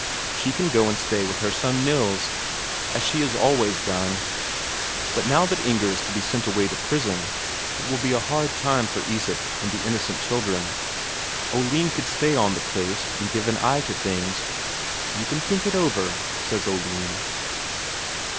She can go and stay with her son Nils, as she has always done. But now that Inger is to be sent away to prison, it will be a hard time for Isak and the innocent children; Oline could stay on the place and give an eye to things. "You can think it over," says Oline.